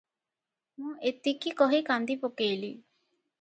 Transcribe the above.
ମୁଁ ଏତିକି କହି କାନ୍ଦି ପକେଇଲି ।"